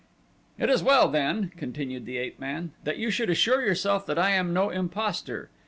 "It is well then," continued the ape man, "that you should assure yourself that I am no impostor.